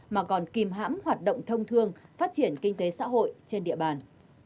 mà còn kìm hãm hoạt động thông thương phát triển kinh tế xã hội trên địa bàn